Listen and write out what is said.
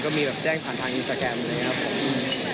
ก็มีแบบแจ้งผ่านทางอินสตาแกรมเลยครับ